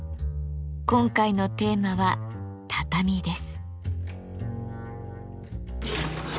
今回のテーマは「畳」です。